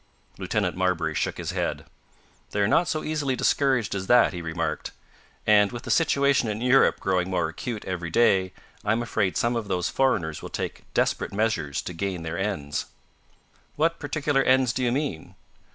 Lieutenant Marbury shook his head. "They're not so easily discouraged as that," he remarked. "And, with the situation in Europe growing more acute every day, I am afraid some of those foreigners will take desperate measures to gain their ends." "What particular ends do you mean?"